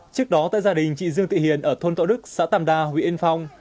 trước đó tại gia đình chị dương tị hiền ở thôn tọa đức xã tàm đa huyện yên phong